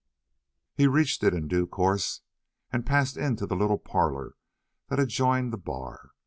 He reached it in due course, and passed into the little parlour that adjoined the bar.